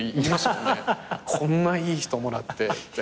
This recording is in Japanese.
こんないい人もらってって。